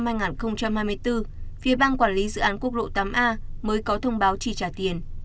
phía bang quản lý dự án quốc lộ tám a mới có thông báo chi trả tiền